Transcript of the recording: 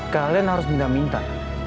kalian harus minta minta